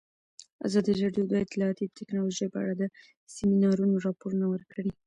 ازادي راډیو د اطلاعاتی تکنالوژي په اړه د سیمینارونو راپورونه ورکړي.